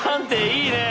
いいねえ！